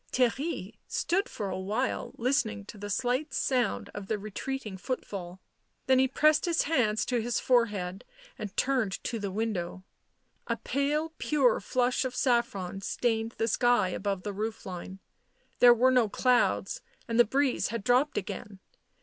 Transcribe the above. Theirry stood for a while listening to the slight sound of the retreating footfall, then he pressed his hands to his forehead and turned to the window. A pale pure flush of saffron stained the sky above the roof line ; there were no clouds, and the breeze had dropped again.